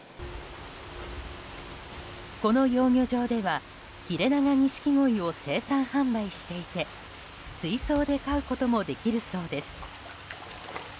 この養魚場ではヒレナガニシキゴイを生産・販売していて、水槽で飼うこともできるそうです。